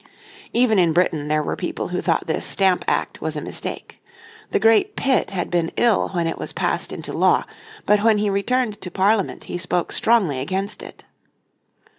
Even in Britain there were people who thought this Stamp Act was a mistake. The great Pitt had been ill when it was passed into law, but when he returned to Parliament he spoke strongly against it.